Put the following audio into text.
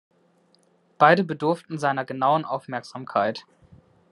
Beide bedurften seiner genauen Aufmerksamkeit.